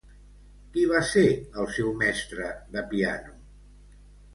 Qui va ser el seu mestre de piano?